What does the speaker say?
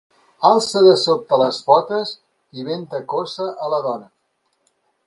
...alça de sobte les potes i venta cossa a la dona.